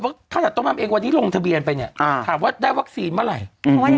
ปรากฏว่าถ้าตัวมานำเองวันนี้ลงทะเบียนไปถามว่าได้วัคซีนเมื่อไหร่